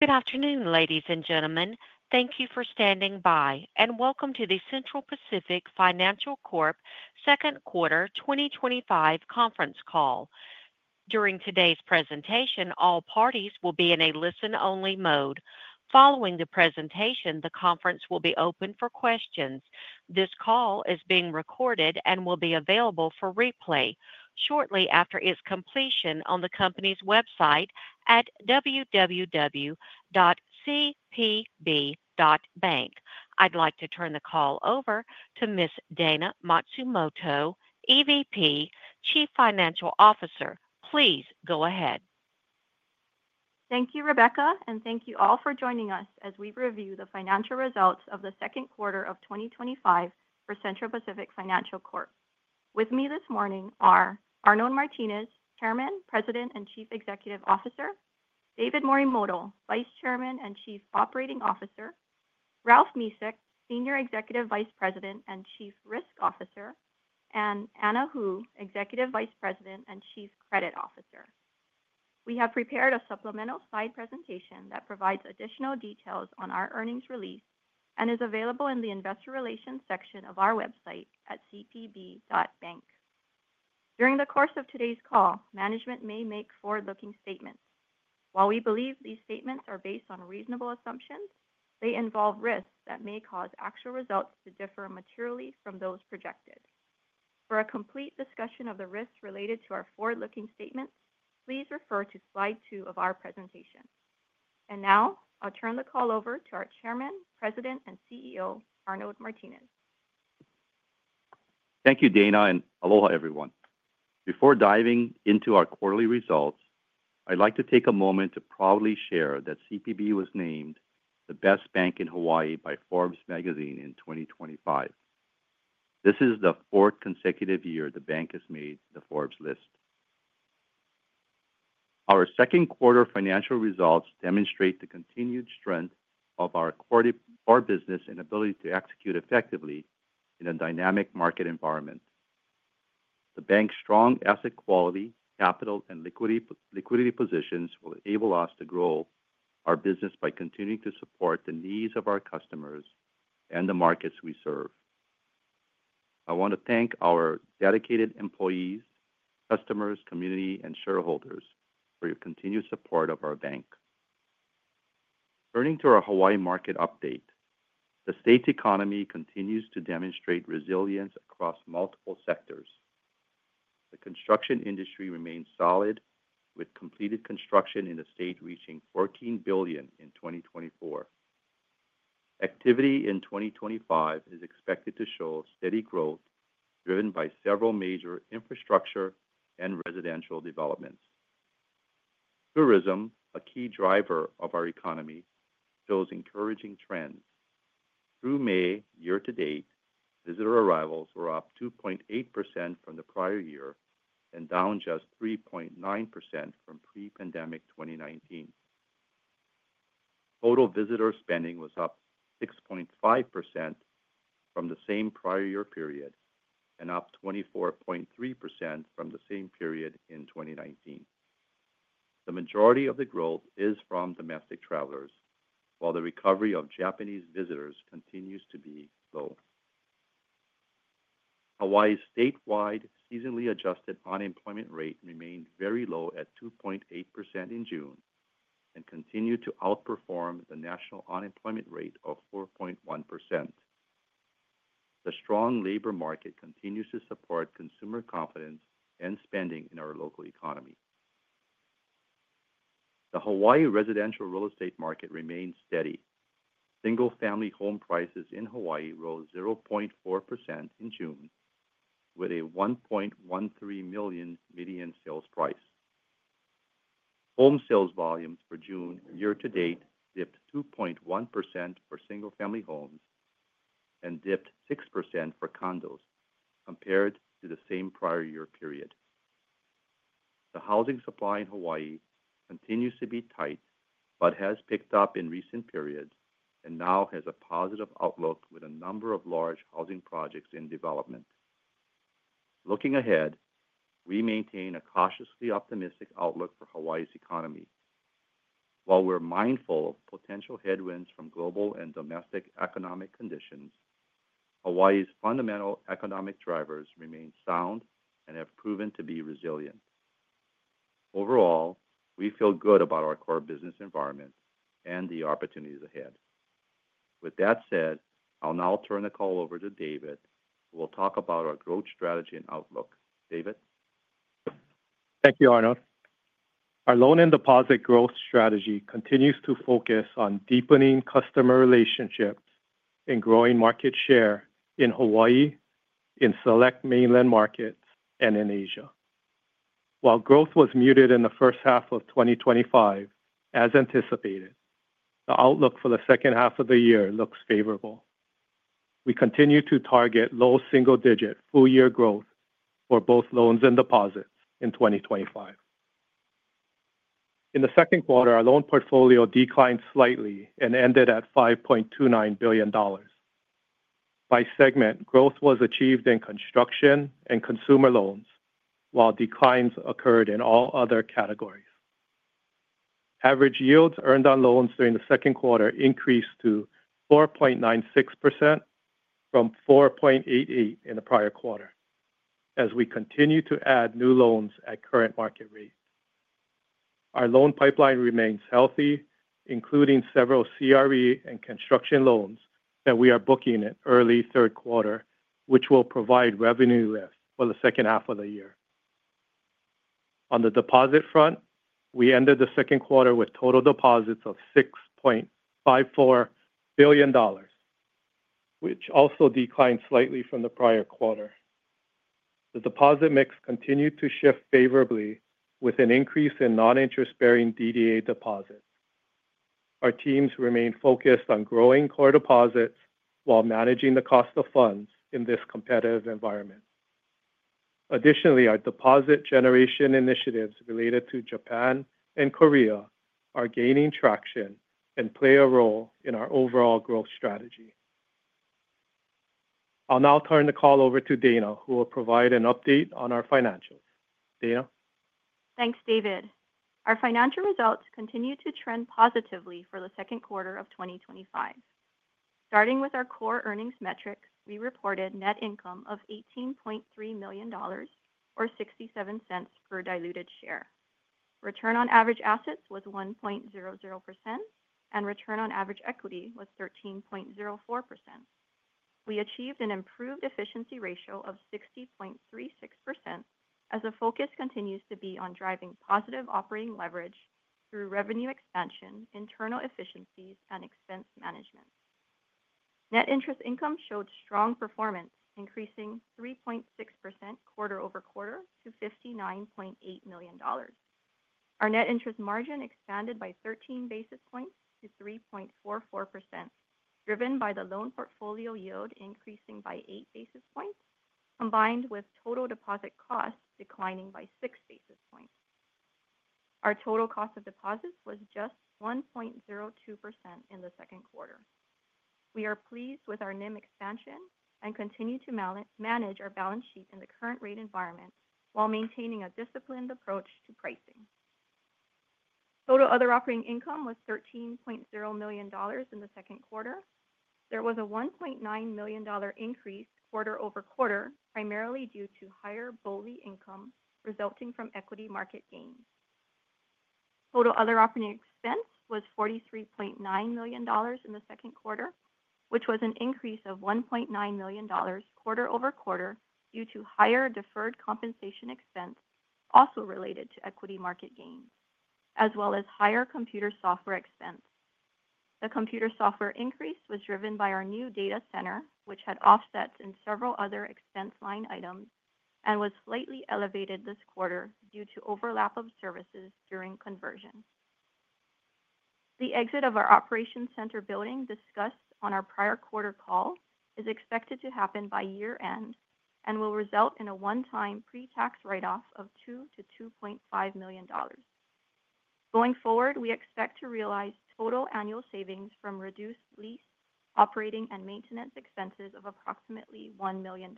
Good afternoon, ladies and gentlemen. Thank you for standing by, and welcome to the Central Pacific Financial Corp Second Quarter 2025 Conference Call. During today's presentation, all parties will be in a listen-only mode. Following the presentation, the conference will be open for questions. This call is being recorded and will be available for replay shortly after its completion on the company's website at www.cpb.bank. I'd like to turn the call over to Ms. Dayna Matsumoto, EVP, Chief Financial Officer. Please go ahead. Thank you, Rebecca, and thank you all for joining us as we review the financial results of the second quarter of 2025 for Central Pacific Financial Corp. With me this morning are Arnold Martines, Chairman, President and Chief Executive Officer, David Morimoto, Vice Chairman and Chief Operating Officer, Ralph Mesick, Senior Executive Vice President and Chief Risk Officer, and Anna Hu, Executive Vice President and Chief Credit Officer. We have prepared a supplemental slide presentation that provides additional details on our earnings release and is available in the Investor Relations section of our website at cpb.bank. During the course of today's call, management may make forward-looking statements. While we believe these statements are based on reasonable assumptions, they involve risks that may cause actual results to differ materially from those projected. For a complete discussion of the risks related to our forward-looking statements, please refer to slide two of our presentation. I will now turn the call over to our Chairman, President, and CEO, Arnold Martines. Thank you, Dayna, and aloha, everyone. Before diving into our quarterly results, I'd like to take a moment to proudly share that CPB was named the best bank in Hawaii by Forbes Magazine in 2025. This is the fourth consecutive year the bank has made the Forbes list. Our second quarter financial results demonstrate the continued strength of our core business and ability to execute effectively in a dynamic market environment. The bank's strong asset quality, capital, and liquidity positions will enable us to grow our business by continuing to support the needs of our customers and the markets we serve. I want to thank our dedicated employees, customers, community, and shareholders for your continued support of our bank. Turning to our Hawaii market update, the state's economy continues to demonstrate resilience across multiple sectors. The construction industry remains solid, with completed construction in the state reaching $14 billion in 2024. Activity in 2025 is expected to show steady growth, driven by several major infrastructure and residential developments. Tourism, a key driver of our economy, shows encouraging trends. Through May, year to date, visitor arrivals were up 2.8% from the prior year and down just 3.9% from pre-pandemic 2019. Total visitor spending was up 6.5% from the same prior year period and up 24.3% from the same period in 2019. The majority of the growth is from domestic travelers, while the recovery of Japanese visitors continues to be low. Hawaii's statewide seasonally adjusted unemployment rate remained very low at 2.8% in June and continued to outperform the national unemployment rate of 4.1%. The strong labor market continues to support consumer confidence and spending in our local economy. The Hawaii residential real estate market remains steady. Single-family home prices in Hawaii rose 0.4% in June, with a $1.13 million median sales price. Home sales volumes for June, year-to-date, dipped 2.1% for single-family homes and dipped 6% for condos, compared to the same prior year period. The housing supply in Hawaii continues to be tight but has picked up in recent periods and now has a positive outlook with a number of large housing projects in development. Looking ahead, we maintain a cautiously optimistic outlook for Hawaii's economy. While we're mindful of potential headwinds from global and domestic economic conditions, Hawaii's fundamental economic drivers remain sound and have proven to be resilient. Overall, we feel good about our core business environment and the opportunities ahead. With that said, I'll now turn the call over to David, who will talk about our growth strategy and outlook. David? Thank you, Arnold. Our loan and deposit growth strategy continues to focus on deepening customer relationships and growing market share in Hawaii, in select mainland markets, and in Asia. While growth was muted in the first half of 2025, as anticipated, the outlook for the second half of the year looks favorable. We continue to target low single-digit full-year growth for both loans and deposits in 2025. In the second quarter, our loan portfolio declined slightly and ended at $5.29 billion. By segment, growth was achieved in construction lending and consumer loans, while declines occurred in all other categories. Average yields earned on loans during the second quarter increased to 4.96% from 4.88% in the prior quarter, as we continue to add new loans at current market rates. Our loan pipeline remains healthy, including several CRE and construction lending loans that we are booking in early third quarter, which will provide revenue lifts for the second half of the year. On the deposit front, we ended the second quarter with total deposits of $6.54 billion, which also declined slightly from the prior quarter. The deposit mix continued to shift favorably, with an increase in non-interest-bearing DDA deposits. Our teams remain focused on growing core deposits while managing the cost of funds in this competitive environment. Additionally, our deposit generation initiatives related to Japan and Korea are gaining traction and play a role in our overall growth strategy. I'll now turn the call over to Dayna, who will provide an update on our financials. Dayna? Thanks, David. Our financial results continue to trend positively for the second quarter of 2025. Starting with our core earnings metrics, we reported a net income of $18.3 million or $0.67 per diluted share. Return on average assets was 1.00%, and return on average equity was 13.04%. We achieved an improved efficiency ratio of 60.36% as the focus continues to be on driving positive operating leverage through revenue expansion, internal efficiencies, and expense management. Net interest income showed strong performance, increasing 3.6% quarter-ove-quarter to $59.8 million. Our net interest margin expanded by 13 basis points to 3.44%, driven by the loan portfolio yield increasing by 8 basis points, combined with total deposit cost declining by 6 basis points. Our total cost of deposits was just 1.02% in the second quarter. We are pleased with our NIM expansion and continue to manage our balance sheet in the current rate environment while maintaining a disciplined approach to pricing. Total other operating income was $13.0 million in the second quarter. There was a $1.9 million increase quarter-over-quarter, primarily due to higher BOLI income resulting from equity market gains. Total other operating expense was $43.9 million in the second quarter, which was an increase of $1.9 million quarter-over-quarter due to higher deferred compensation expense also related to equity market gains, as well as higher computer software expense. The computer software increase was driven by our new data center, which had offsets in several other expense line items and was slightly elevated this quarter due to overlap of services during conversion. The exit of our operations center building, discussed on our prior quarter call, is expected to happen by year-end and will result in a one-time pre-tax write-off of $2 million-$2.5 million. Going forward, we expect to realize total annual savings from reduced lease, operating, and maintenance expenses of approximately $1 million.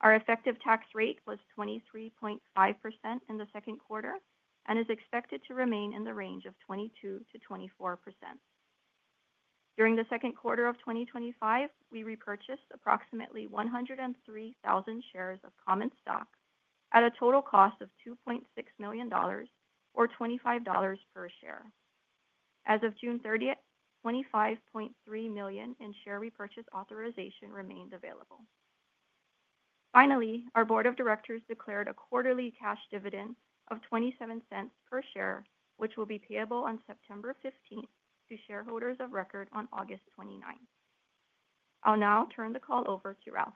Our effective tax rate was 23.5% in the second quarter and is expected to remain in the range of 22%-24%. During the second quarter of 2025, we repurchased approximately 103,000 shares of common stock at a total cost of $2.6 million, or $25 per share. As of June 30, $25.3 million in share repurchase authorization remained available. Finally, our Board of Directors declared a quarterly cash dividend of $0.27 per share, which will be payable on September 15 to shareholders of record on August 29. I'll now turn the call over to Ralph.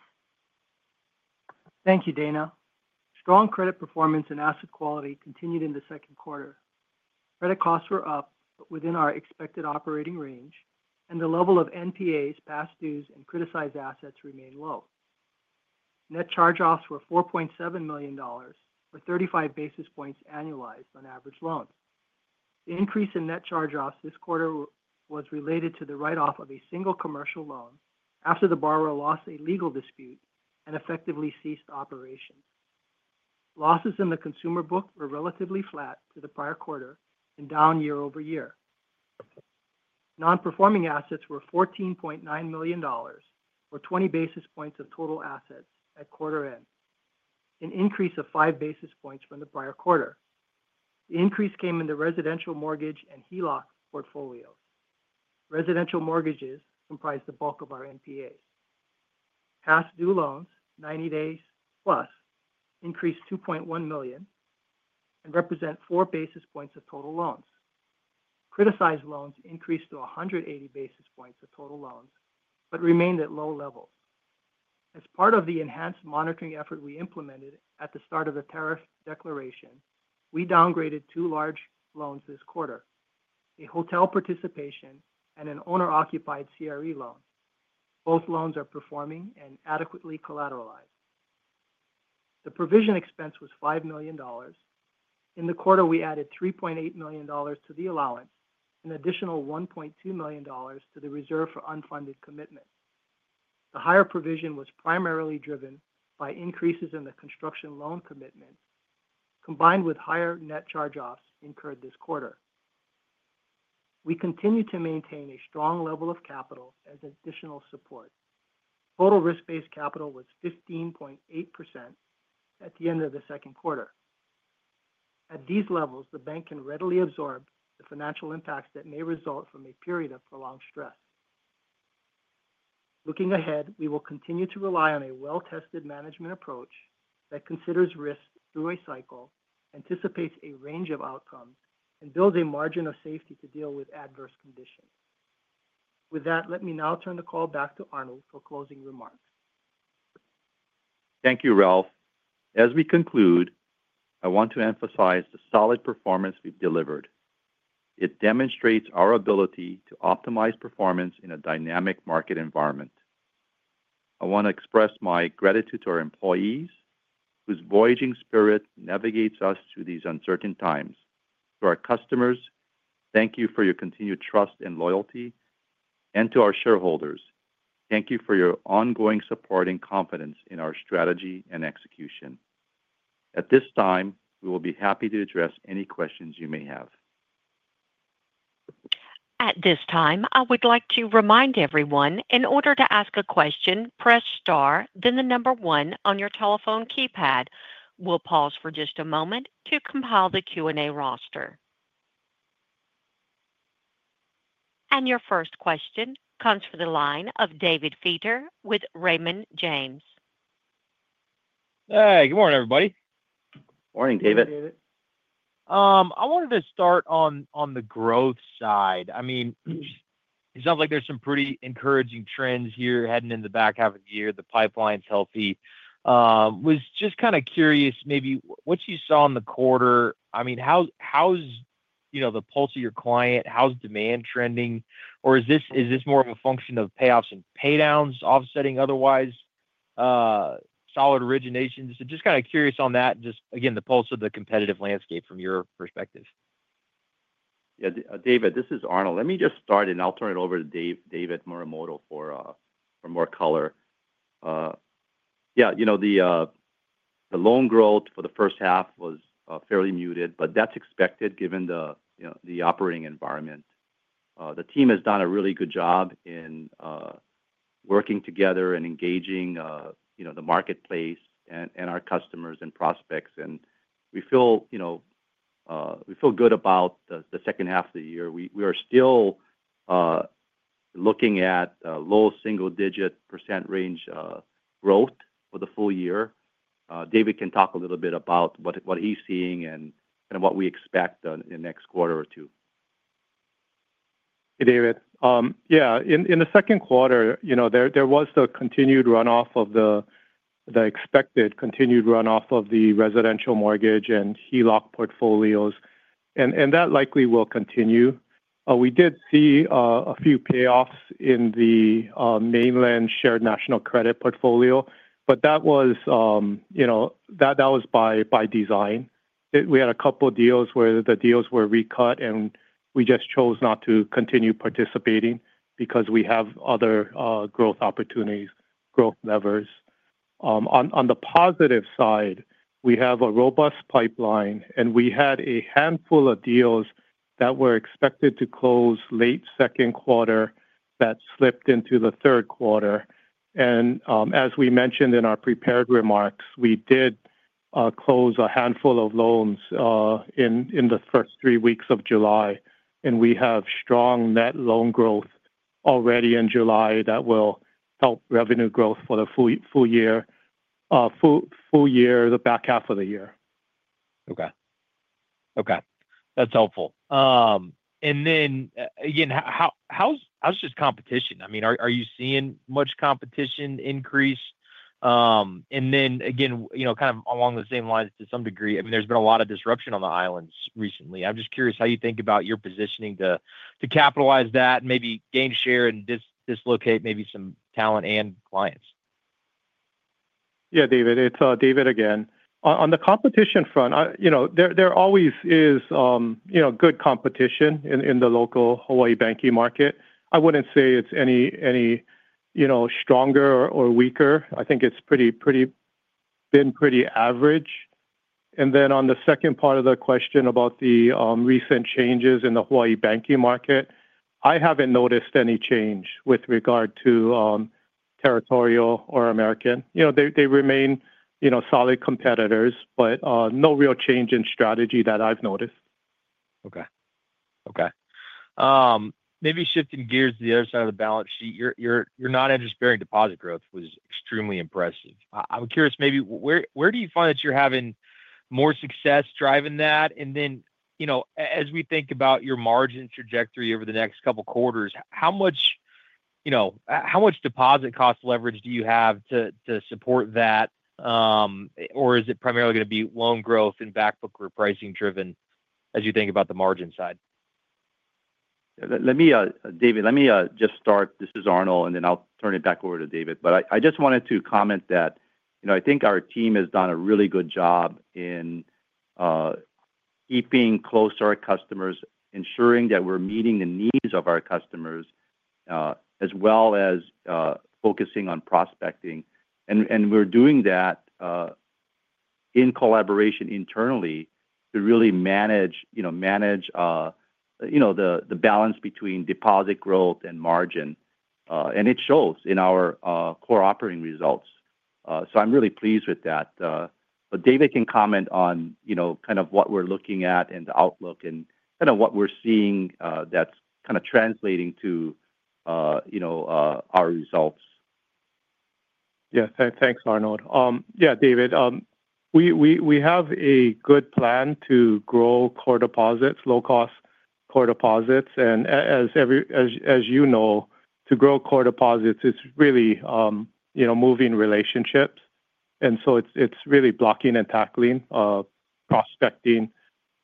Thank you, Dayna. Strong credit performance and asset quality continued in the second quarter. Credit costs were up, but within our expected operating range, and the level of NPAs, past dues, and criticized assets remained low. Net charge-offs were $4.7 million, or 35 basis points annualized on average loan. The increase in net charge-offs this quarter was related to the write-off of a single commercial loan after the borrower lost a legal dispute and effectively ceased operations. Losses in the consumer book were relatively flat for the prior quarter and down year-over-year. Non-performing assets were $14.9 million, or 20 basis points of total assets at quarter end, an increase of 5 basis points from the prior quarter. The increase came in the residential mortgage and home equity line of credit portfolio. Residential mortgages comprise the bulk of our NPAs. Past due loans, 90 days plus, increased $2.1 million and represent 4 basis points of total loans. Criticized loans increased to 180 basis points of total loans but remained at low levels. As part of the enhanced monitoring effort we implemented at the start of the tariff declaration, we downgraded two large loans this quarter: a hotel participation and an owner-occupied CRE loan. Both loans are performing and adequately collateralized. The provision expense was $5 million. In the quarter, we added $3.8 million to the allowance, an additional $1.2 million to the reserve for unfunded commitments. The higher provision was primarily driven by increases in the construction lending commitment, combined with higher net charge-offs incurred this quarter. We continue to maintain a strong level of capital as additional support. Total risk-based capital was 15.8% at the end of the second quarter. At these levels, the bank can readily absorb the financial impacts that may result from a period of prolonged stress. Looking ahead, we will continue to rely on a well-tested management approach that considers risks through a cycle, anticipates a range of outcomes, and builds a margin of safety to deal with adverse conditions. With that, let me now turn the call back to Arnold for closing remarks. Thank you, Ralph. As we conclude, I want to emphasize the solid performance we've delivered. It demonstrates our ability to optimize performance in a dynamic market environment. I want to express my gratitude to our employees, whose voyaging spirit navigates us through these uncertain times, to our customers, thank you for your continued trust and loyalty, and to our shareholders, thank you for your ongoing support and confidence in our strategy and execution. At this time, we will be happy to address any questions you may have. At this time, I would like to remind everyone, in order to ask a question, press star, then the number one on your telephone keypad. We'll pause for just a moment to compile the Q&A roster. Your first question comes from the line of David Feaster with Raymond James. Hey, good morning, everybody. Morning, David. I wanted to start on the growth side. It sounds like there's some pretty encouraging trends here heading into the back half of the year. The pipeline's healthy. I was just kind of curious, maybe what you saw in the quarter. How's the pulse of your client? How's demand trending? Is this more of a function of payoffs and paydowns offsetting otherwise solid originations? Just kind of curious on that and the pulse of the competitive landscape from your perspective. Yeah, David, this is Arnold. Let me just start, and I'll turn it over to David Morimoto for more color. The loan growth for the first half was fairly muted, but that's expected given the operating environment. The team has done a really good job in working together and engaging the marketplace and our customers and prospects. We feel good about the second half of the year. We are still looking at low single-digit percent range growth for the full year. David can talk a little bit about what he's seeing and kind of what we expect in the next quarter or two. Hey, David. Yeah, in the second quarter, there was the continued runoff of the expected continued runoff of the residential mortgage and home equity line of credit portfolios, and that likely will continue. We did see a few payoffs in the mainland shared national credit portfolio, but that was by design. We had a couple of deals where the deals were recut, and we just chose not to continue participating because we have other growth opportunities, growth levers. On the positive side, we have a robust pipeline, and we had a handful of deals that were expected to close late second quarter that slipped into the third quarter. As we mentioned in our prepared remarks, we did close a handful of loans in the first three weeks of July, and we have strong net loan growth already in July that will help revenue growth for the full year, the back half of the year. Okay. That's helpful. Again, how's just competition? Are you seeing much competition increase? Again, you know, kind of along the same lines to some degree, there's been a lot of disruption on the islands recently. I'm just curious how you think about your positioning to capitalize on that and maybe gain share and dislocate maybe some talent and clients. Yeah, David. It's David again. On the competition front, there always is good competition in the local Hawaii banking market. I wouldn't say it's any stronger or weaker. I think it's been pretty average. On the second part of the question about the recent changes in the Hawaii banking market, I haven't noticed any change with regard to Territorial or American. They remain solid competitors, but no real change in strategy that I've noticed. Okay. Maybe shifting gears to the other side of the balance sheet, your non-interest-bearing deposit growth was extremely impressive. I'm curious, maybe where do you find that you're having more success driving that? As we think about your margin trajectory over the next couple of quarters, how much deposit cost leverage do you have to support that? Is it primarily going to be loan growth and backbooker pricing driven as you think about the margin side? David, let me just start. This is Arnold, and then I'll turn it back over to David. I just wanted to comment that I think our team has done a really good job in keeping close to our customers, ensuring that we're meeting the needs of our customers, as well as focusing on prospecting. We're doing that in collaboration internally to really manage the balance between deposit growth and margin. It shows in our core operating results. I'm really pleased with that. David can comment on what we're looking at and the outlook and what we're seeing that's translating to our results. Yeah, thanks, Arnold. Yeah, David, we have a good plan to grow core deposits, low-cost core deposits. As you know, to grow core deposits, it's really, you know, moving relationships. It's really blocking and tackling, prospecting.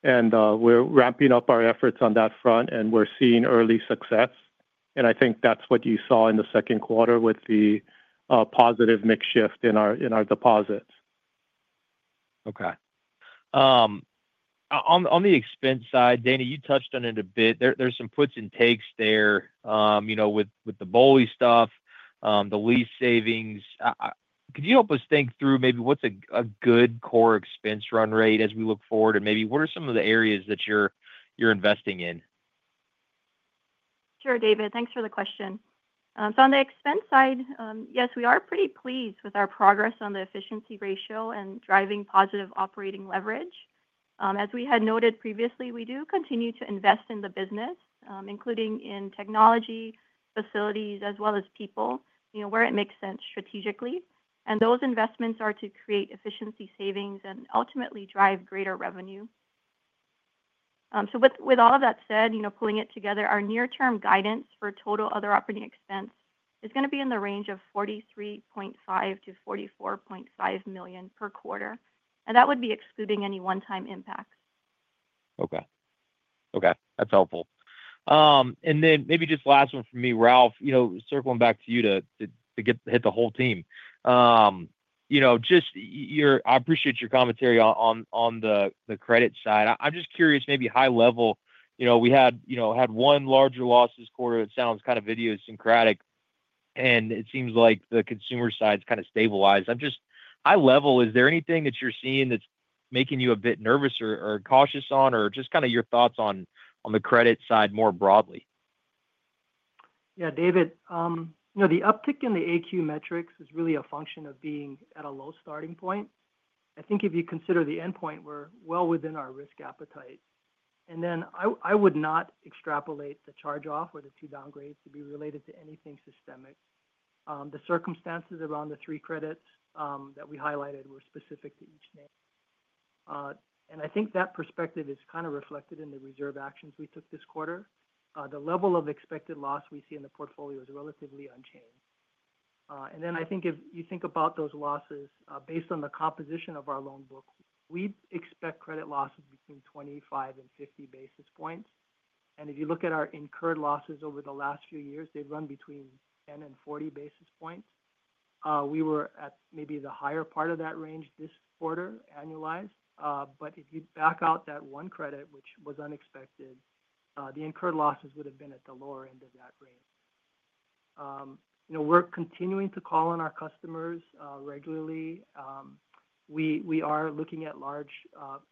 We're ramping up our efforts on that front, and we're seeing early success. I think that's what you saw in the second quarter with the positive mix shift in our deposits. Okay. On the expense side, Dayna, you touched on it a bit. There's some puts and takes there, you know, with the BOLI stuff, the lease savings. Could you help us think through maybe what's a good core expense run rate as we look forward? And maybe what are some of the areas that you're investing in? Sure, David. Thanks for the question. On the expense side, yes, we are pretty pleased with our progress on the efficiency ratio and driving positive operating leverage. As we had noted previously, we do continue to invest in the business, including in technology, facilities, as well as people, you know, where it makes sense strategically. Those investments are to create efficiency savings and ultimately drive greater revenue. With all of that said, pulling it together, our near-term guidance for total other operating expense is going to be in the range of $43.5-$44.5 million per quarter. That would be excluding any one-time impacts. Okay. That's helpful. Maybe just the last one from me, Ralph, circling back to you to hit the whole team. I appreciate your commentary on the credit side. I'm just curious, maybe high level, we had one larger loss this quarter. It sounds kind of idiosyncratic. It seems like the consumer side's kind of stabilized. High level, is there anything that you're seeing that's making you a bit nervous or cautious on, or just your thoughts on the credit side more broadly? Yeah, David, you know, the uptick in the AQ metrics is really a function of being at a low starting point. I think if you consider the endpoint, we're well within our risk appetite. I would not extrapolate the charge-off or the two downgrades to be related to anything systemic. The circumstances around the three credits that we highlighted were specific to each name. I think that perspective is kind of reflected in the reserve actions we took this quarter. The level of expected loss we see in the portfolio is relatively unchanged. I think if you think about those losses, based on the composition of our loan book, we expect credit losses between 25 and 50 basis points. If you look at our incurred losses over the last few years, they've run between 10 and 40 basis points. We were at maybe the higher part of that range this quarter annualized. If you back out that one credit, which was unexpected, the incurred losses would have been at the lower end of that range. We're continuing to call on our customers regularly. We are looking at large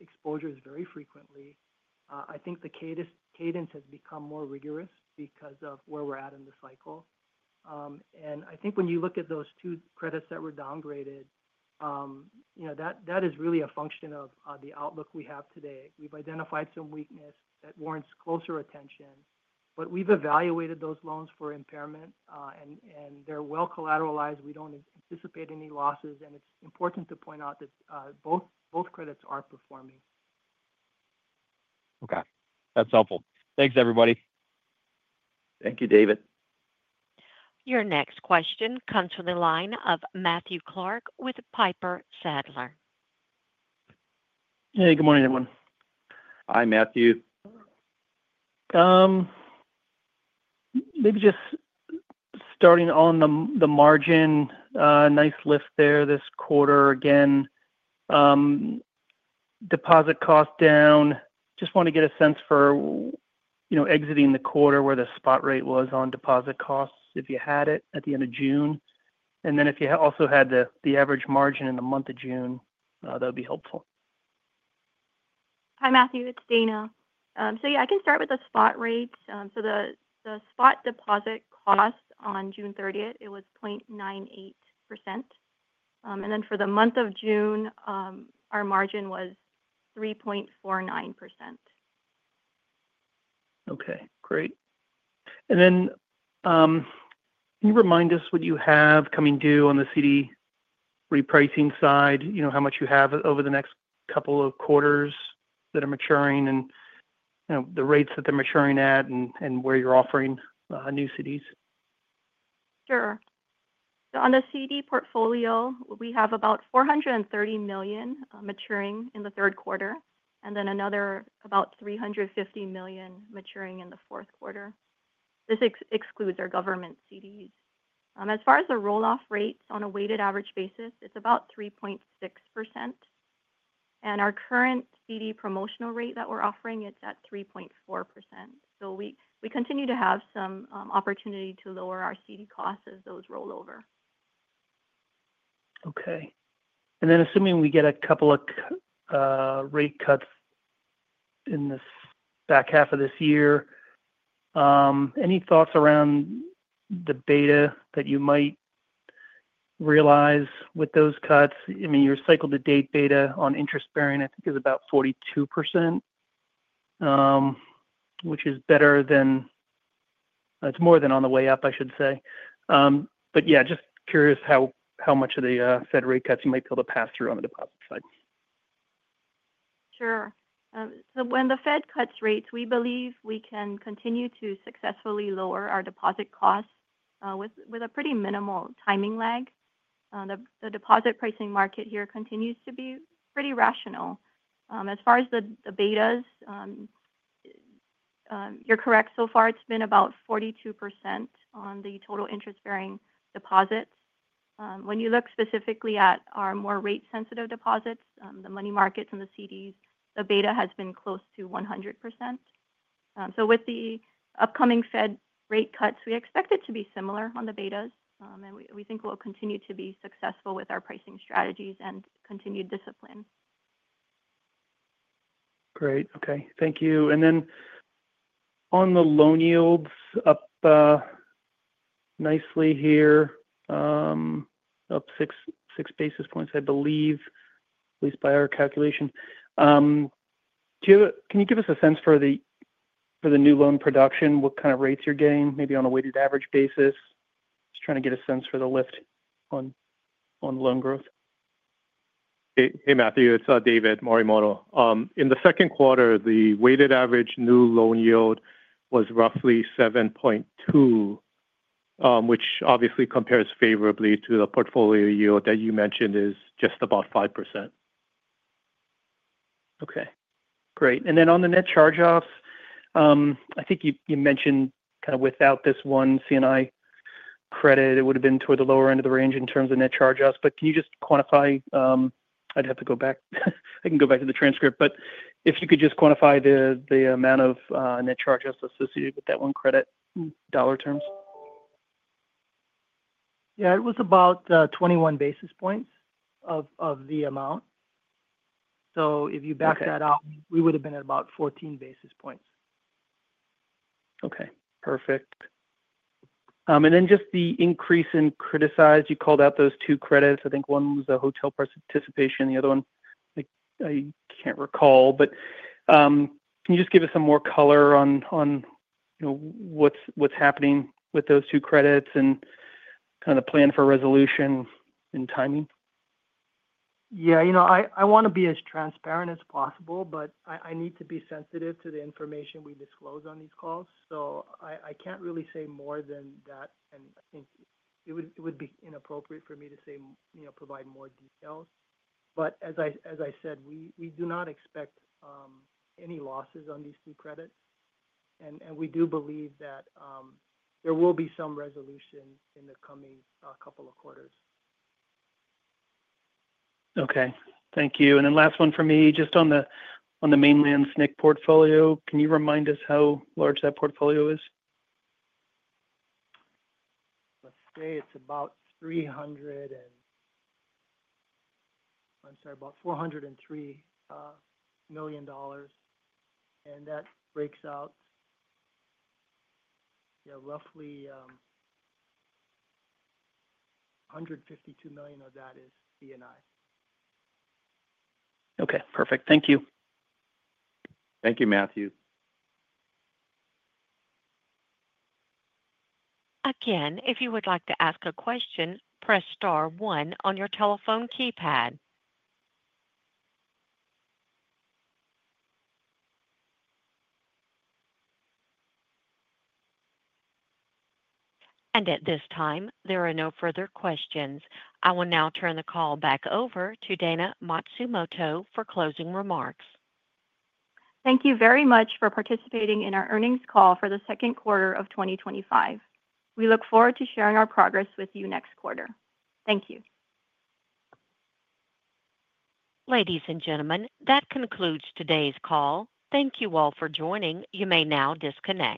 exposures very frequently. I think the cadence has become more rigorous because of where we're at in the cycle. I think when you look at those two credits that were downgraded, that is really a function of the outlook we have today. We've identified some weakness that warrants closer attention. We've evaluated those loans for impairment, and they're well collateralized. We don't anticipate any losses, and it's important to point out that both credits are performing. Okay, that's helpful. Thanks, everybody. Thank you, David. Your next question comes from the line of Matthew Clark with Piper Sandler. Hey, good morning, everyone. Hi, Matthew. Maybe just starting on the margin, a nice lift there this quarter. Again, deposit cost down. Just want to get a sense for, you know, exiting the quarter where the spot rate was on deposit cost, if you had it at the end of June. If you also had the average margin in the month of June, that would be helpful. Hi, Matthew. It's Dayna. Yeah, I can start with the spot rates. The spot deposit cost on June 30th was 0.98%. For the month of June, our margin was 3.49%. Okay. Great. Can you remind us what you have coming due on the CD repricing side, how much you have over the next couple of quarters that are maturing, the rates that they're maturing at, and where you're offering new CDs? Sure. On the CD portfolio, we have about $430 million maturing in the third quarter, and then another about $350 million maturing in the fourth quarter. This excludes our government CDs. As far as the rolloff rates, on a weighted average basis, it's about 3.6%. Our current CD promotional rate that we're offering is at 3.4%. We continue to have some opportunity to lower our CD costs as those roll over. Okay. Assuming we get a couple of rate cuts in the back half of this year, any thoughts around the beta that you might realize with those cuts? I mean, your cycle-to-date beta on interest-bearing, I think, is about 42%, which is better than it was on the way up, I should say. Just curious how much of the Fed rate cuts you might be able to pass through on the deposit side. Sure. When the Fed cuts rates, we believe we can continue to successfully lower our deposit costs with a pretty minimal timing lag. The deposit pricing market here continues to be pretty rational. As far as the betas, you're correct. So far, it's been about 42% on the total interest-bearing deposits. When you look specifically at our more rate-sensitive deposits, the money markets and the CDs, the beta has been close to 100%. With the upcoming Fed rate cuts, we expect it to be similar on the betas, and we think we'll continue to be successful with our pricing strategies and continued discipline. Great. Okay. Thank you. On the loan yields, up nicely here, up 6 basis points, I believe, at least by our calculation. Can you give us a sense for the new loan production, what kind of rates you're getting, maybe on a weighted average basis? Just trying to get a sense for the lift on loan growth. Hey, Matthew. It's David Morimoto. In the second quarter, the weighted average new loan yield was roughly 7.2%, which obviously compares favorably to the portfolio yield that you mentioned is just about 5%. Okay. Great. On the net charge-offs, I think you mentioned kind of without this one commercial and industrial credit, it would have been toward the lower end of the range in terms of net charge-offs. Can you just quantify? I'd have to go back. I can go back to the transcript. If you could just quantify the amount of net charge-offs associated with that one credit, dollar terms? Yeah, it was about 21 basis points of the amount. If you back that out, we would have been at about 14 basis points. Okay. Perfect. The increase in criticized, you called out those two credits. I think one was the hotel participation, the other one, I can't recall. Can you just give us some more color on what's happening with those two credits and kind of the plan for resolution and timing? Yeah, I want to be as transparent as possible, but I need to be sensitive to the information we disclose on these calls. I can't really say more than that. I think it would be inappropriate for me to provide more details. As I said, we do not expect any losses on these two credits, and we do believe that there will be some resolution in the coming couple of quarters. Okay. Thank you. Last one for me, just on the mainland SNC portfolio, can you remind us how large that portfolio is? Let's say it's about $403 million. That breaks out, yeah, roughly $152 million of that is commercial and industrial. Okay. Perfect. Thank you. Thank you, Matthew. Again, if you would like to ask a question, press star one on your telephone keypad. At this time, there are no further questions. I will now turn the call back over to Dayna Matsumoto for closing remarks. Thank you very much for participating in our earnings call for the second quarter of 2025. We look forward to sharing our progress with you next quarter. Thank you. Ladies and gentlemen, that concludes today's call. Thank you all for joining. You may now disconnect.